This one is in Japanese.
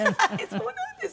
そうなんです。